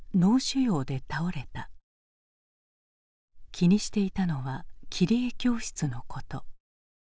気にしていたのは切り絵教室のこと。